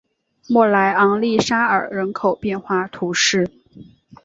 莫莱昂利沙尔人口变化图示